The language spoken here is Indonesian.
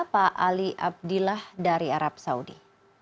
pak ali abdillah dari arab saudi